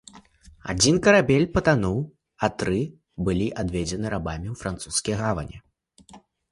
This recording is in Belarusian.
Адзін карабель патануў, а тры былі адведзены рабамі ў французскія гавані.